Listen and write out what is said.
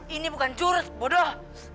ini bukan curut bodoh